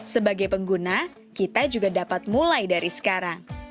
sebagai pengguna kita juga dapat mulai dari sekarang